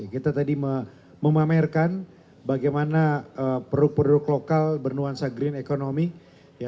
kita tadi memamerkan bagaimana produk produk lokal bernuansa green economy